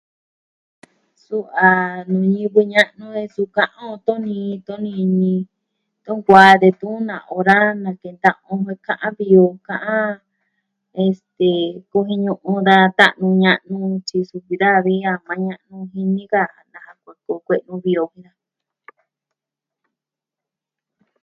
Suu a nuu ñivɨ ña'nu e su ka'an o tonii, tonini, tonkuaa, detun na ora, nakenta'an o ka'an vi o ka'an. este...kujiñu'u da ta'nu, ña'nu, tyi sukun da vi a maña'nu jin ni ka. a naja koo kue'e uvi o jiaa.